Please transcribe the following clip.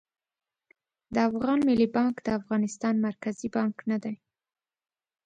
د افغان ملي بانک د افغانستان مرکزي بانک نه دي